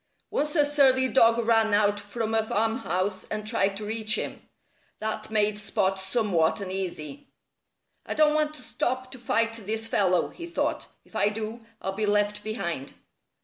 Once a surly dog ran out from a farmhouse and tried to reach him. That made Spot somewhat uneasy. "I don't want to stop to fight this fellow," he thought. "If I do, I'll be left behind."